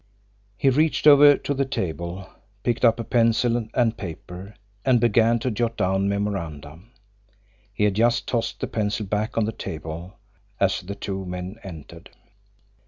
He reached over to the table, picked up a pencil and paper, and began to jot down memoranda. He had just tossed the pencil back on the table as the two men entered.